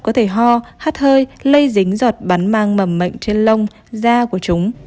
có thể ho hát hơi lây dính giọt bắn mang mầm mệnh trên lông da của chúng